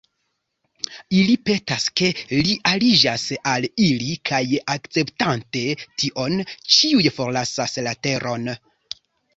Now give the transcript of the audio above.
Ili petas ke li aliĝas al ili, kaj akceptante tion, ĉiuj forlasas la teron.